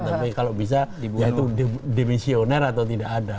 tapi kalau bisa dimisioner atau tidak ada